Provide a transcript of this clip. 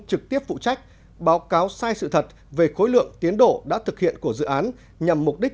trực tiếp phụ trách báo cáo sai sự thật về khối lượng tiến độ đã thực hiện của dự án nhằm mục đích